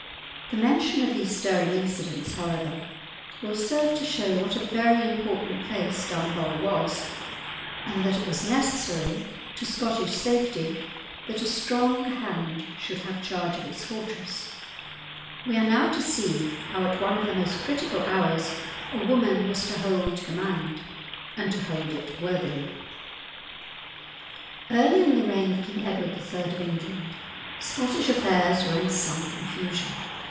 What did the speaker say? The mention of these stirring incidents, however, will serve to show what a very important place Dunbar was, and that it was necessary to Scottish safety that a strong hand should have charge of its fortress. We are now to see how at one of the most critical hours a woman was to hold command, and to hold it worthily. Early in the reign of King Edward III. of England Scottish affairs were in some confusion.